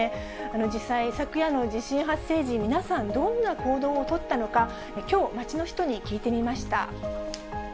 実際、昨夜の地震発生時、皆さん、どんな行動を取ったのか、きょう、街の人に聞いてみました。